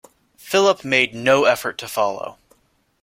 Philip made no effort to follow.